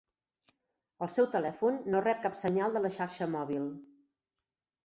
El seu telèfon no rep cap senyal de la xarxa mòbil.